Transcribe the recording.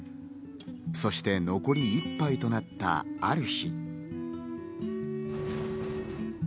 そして残り１杯となったある日。